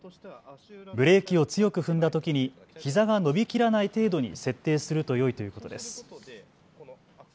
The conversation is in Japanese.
ブレーキを強く踏んだときにひざが伸びきらない程度に設定するとよいということです。